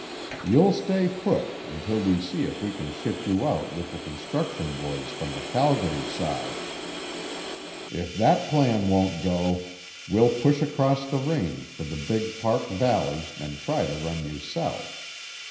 You'll stay put, until we see if we can ship you out with the construction boys to the Calgary side. If that plan won't go, we'll push across the range for the big park valley and try to run you south.